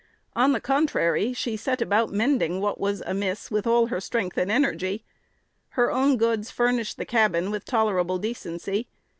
On the contrary, she set about mending what was amiss with all her strength and energy. Her own goods furnished the cabin with tolerable decency.